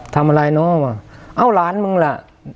ทำอะไรเนอะว่ะเอ้าหลานมึงล่ะ